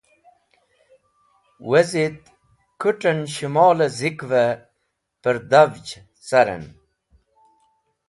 Wezit kũtan Shẽmolẽ zikvẽ pẽrdhavj carẽn.